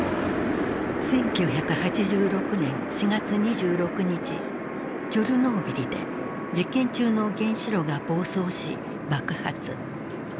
１９８６年４月２６日チョルノービリで実験中の原子炉が暴走し爆発。